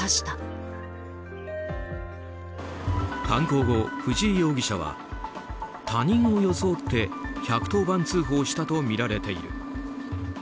犯行後、藤井容疑者は他人を装って１１０番通報したとみられている。